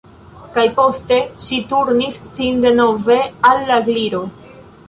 Kaj poste ŝi turnis sin denove al la Gliro.